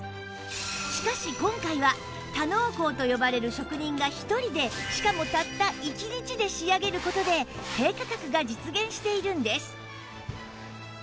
しかし今回は多能工と呼ばれる職人が１人でしかもたった１日で仕上げる事で低価格が実現しているんです